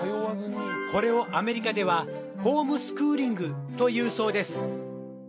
これをアメリカではホームスクーリングというそうです。